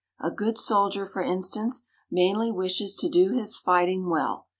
A good soldier, for instance, mainly wishes to do his fighting well.